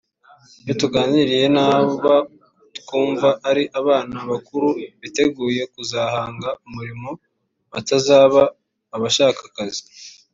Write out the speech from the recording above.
iyo tuganiriye nabo twumva ari abana bakura bitegura kuzahanga umurimo batazaba abashaka akazi